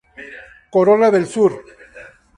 Corona del Sur.